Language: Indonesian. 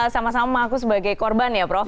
sama sama mengaku sebagai korban ya prof